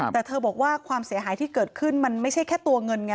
แต่เธอบอกว่าความเสียหายที่เกิดขึ้นมันไม่ใช่แค่ตัวเงินไง